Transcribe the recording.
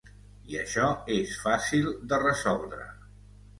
I això és fàcil de resoldre.